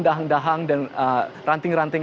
dahang dahang dan ranting ranting